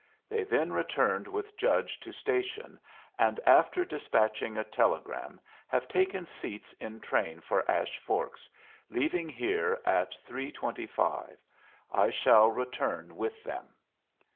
They then returned with judge to station, and after despatching a telegram have taken seats in train for Ash Forks, leaving here at three twenty five. I shall return with them."